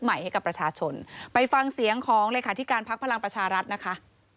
ให้กับประชาชนไปฟังเสียงของเลขาธิการพักพลังประชารัฐนะคะ